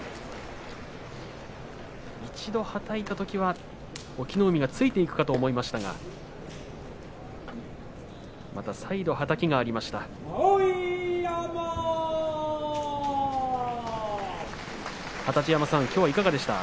一度はたいたときは隠岐の海がついていくかと思われましたがまた再度はたきがありました。